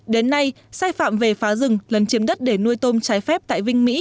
đến nay sai phạm về phá rừng lần chiếm đất để nuôi tôm trái phép tại ubnd